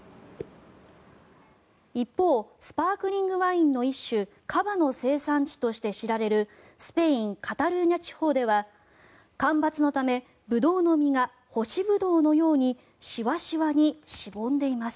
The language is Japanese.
一方スパークリングワインの一種カヴァの生産地として知られるスペイン・カタルーニャ地方では干ばつのためブドウの実が干しブドウのようにしわしわにしぼんでいます。